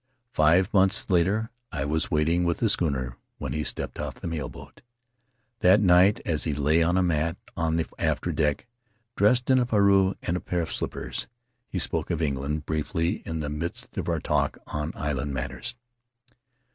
Five months later I was waiting with the schooner when he stepped off the mail boat. That night, as he lay on a mat on the afterdeck, dressed in a pareu and a pair of slippers, he spoke of England briefly in the midst of our talk on island matters.